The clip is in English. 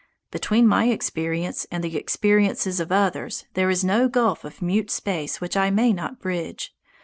Between my experiences and the experiences of others there is no gulf of mute space which I may not bridge.